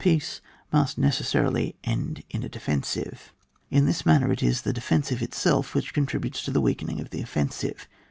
peace, must necesBarilj end in a de fensive. In this manner it is the defensive itself which contributes to the weakening of the offensive.